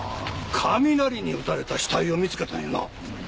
雷に打たれた死体を見つけたんよな？